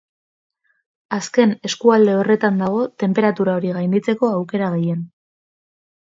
Azken eskualde horretan dago tenperatura hori gainditzeko aukera gehien.